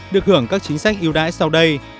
được hưởng các chính sách yêu đãi sau đây